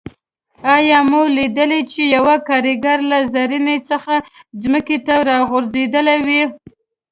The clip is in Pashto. آیا مو لیدلي چې یو کاریګر له زینې څخه ځمکې ته راغورځېدلی وي.